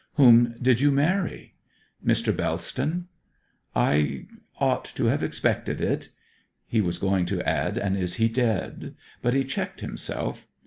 'Whom did you marry?' 'Mr. Bellston.' 'I ought to have expected it.' He was going to add, 'And is he dead?' but he checked himself.